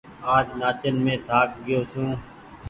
آج نآچين مين ٿآڪ گيو ڇون۔